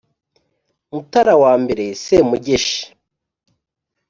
mutara wa mbere semugeshi